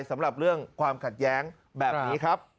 สำหรับเรื่องความขัดแย้งแบบนี้ครับ